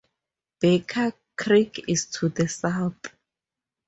Baker Creek is to the south.